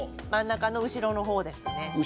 真ん中の後ろの方ですね。